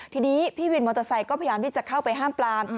ทีนี้พี่วินมอเตอร์ไซค์ก็พยายามที่จะเข้าไปห้ามปลาม